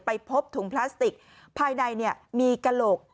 พบถุงพลาสติกภายในมีกระโหลก